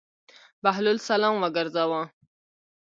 بهلول سلام وګرځاوه.